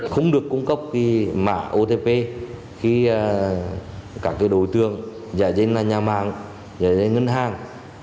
không được cung cấp mạng otp khi các đối tượng giải dân nhà mạng giải dân ngân hàng